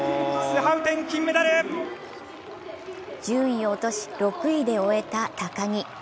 順位を落とし６位で終えた高木。